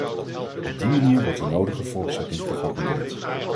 Op die manier wordt de nodige voortzetting gegarandeerd.